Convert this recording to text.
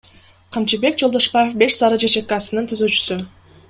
Камчыбек Жолдошбаев — Беш Сары ЖЧКсынын түзүүчүсү.